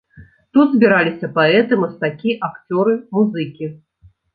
Тут збіраліся паэты, мастакі, акцёры, музыкі.